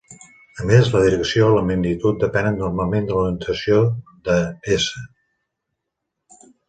A més, la direcció i la magnitud depenen normalment de l'orientació de "S".